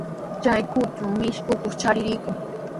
Chay kutatraw mishi ukush charirqun.